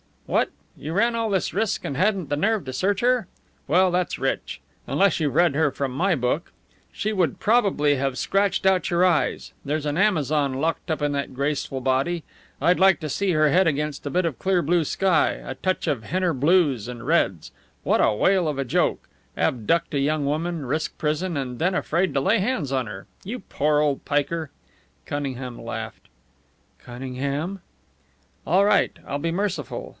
"What, you ran all this risk and hadn't the nerve to search her? Well, that's rich! Unless you've read her from my book. She would probably have scratched out your eyes. There's an Amazon locked up in that graceful body. I'd like to see her head against a bit of clear blue sky a touch of Henner blues and reds. What a whale of a joke! Abduct a young woman, risk prison, and then afraid to lay hands on her! You poor old piker!" Cunningham laughed. "Cunningham " "All right, I'll be merciful.